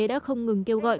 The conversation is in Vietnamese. đã không ngừng kêu gọi